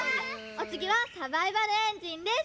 おつぎは「サバイバルエンジン」です。